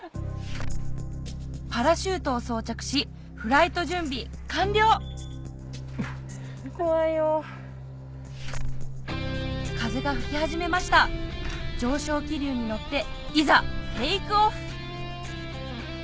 パラシュートを装着しフライト準備完了風が吹き始めました上昇気流に乗っていざテイクオフ！